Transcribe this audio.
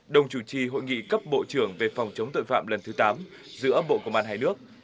đồng chủ trì hội nghị cấp bộ trưởng về phòng chống tội phạm lần thứ tám giữa bộ công an hai nước